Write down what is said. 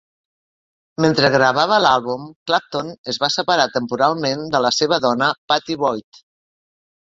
Mentre gravava l'àlbum, Clapton es va separar temporalment de la seva dona Pattie Boyd.